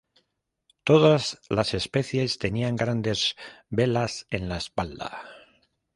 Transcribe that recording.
Todas las especies tenían grandes velas en la espalda.